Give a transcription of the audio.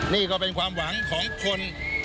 นี่ก็เป็นความหวังของคน